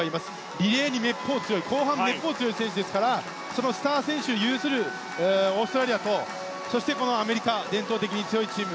リレーにめっぽう強い後半にめっぽう強い選手ですからそのスター選手有するオーストラリアとそして、アメリカ伝統的に強いチーム。